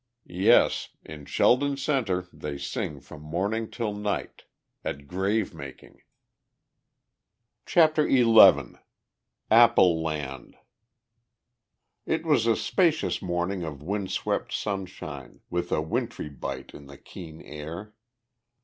Yes! in Sheldon Center they sing from morning till night at grave making! CHAPTER XI APPLE LAND It was a spacious morning of windswept sunshine, with a wintry bite in the keen air.